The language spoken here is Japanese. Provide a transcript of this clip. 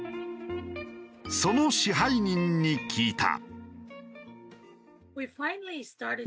その支配人に聞いた。